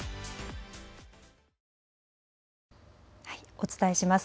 お伝えします。